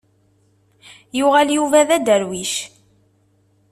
Yuɣal Yuba d aderwic.